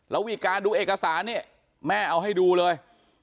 แล้วมีการดูเอกสารนี่แม่เอาให้ดูเลย